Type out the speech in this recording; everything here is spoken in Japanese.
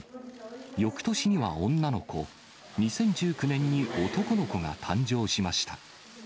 よくとしには女の子、２０１９年に男の子が誕生しました。